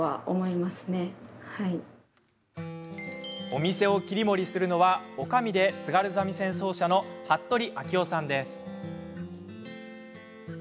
お店を切り盛りするのはおかみで津軽三味線奏者の服部章代さんです。